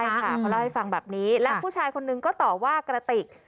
ใช่ค่ะเขาเล่าให้ฟังแบบนี้และผู้ชายคนนึงก็ต่อว่ากระติก